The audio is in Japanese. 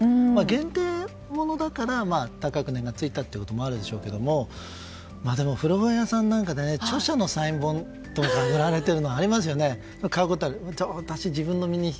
限定ものだから高く値が付いたということもあるでしょうけどでも、古本屋さんなんかで著者のサイン本が売られていることありますよね。